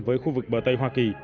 đến khu vực bờ tây hoa kỳ